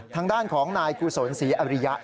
ทางด้านของนายกุศลศรีอริยะ